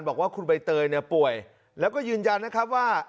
บอกว่าคุณใบเตยเนี่ยป่วยแล้วก็ยืนยันนะครับว่า